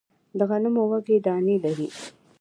د غنمو وږی دانې لري